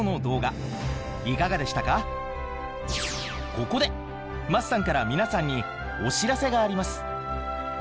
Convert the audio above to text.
ここで桝さんから皆さんにお知らせがあります。